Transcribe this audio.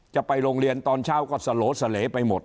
จะไปโรงเรียนตอนเช้าก็สโหลเสลไปหมด